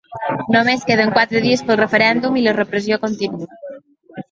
Només queden quatre dies pel referèndum i La repressió continua.